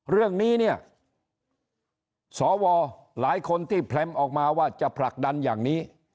เรื่องนี้เนี่ยสวหลายคนที่แพรมออกมาว่าจะผลักดันอย่างนี้